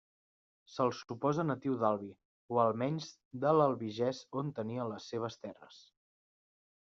Se'l suposa natiu d'Albi o almenys de l'Albigès on tenia les seves terres.